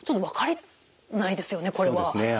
そうですね。